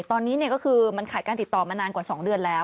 ตอนนี้ก็คือมันขาดการติดต่อมานานกว่า๒เดือนแล้ว